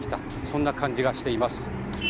そんな感じがしています。